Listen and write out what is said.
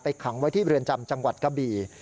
ขังไว้ที่เรือนจำจังหวัดกะบี่